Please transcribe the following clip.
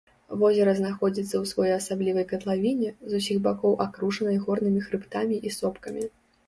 Возера знаходзіцца ў своеасаблівай катлавіне, з усіх бакоў акружанай горнымі хрыбтамі і сопкамі.